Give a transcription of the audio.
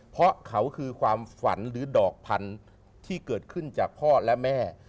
เพราะเขาคือความฝันหรือดอกพันธุ์ที่เกิดขึ้นจากพ่อและแม่